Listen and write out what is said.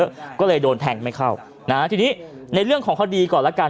ก็เลยโดนแทงไม่เข้านะฮะทีนี้ในเรื่องของคดีก่อนละกัน